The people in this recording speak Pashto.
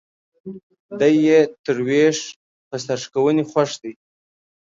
دى يې تر ويش په سر شکوني خوښ دى.